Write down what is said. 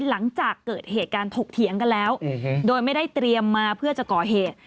หลังจากเกิดเหตุการณ์ถกเถียงกันแล้วโดยไม่ได้เตรียมมาเพื่อจะก่อเหตุ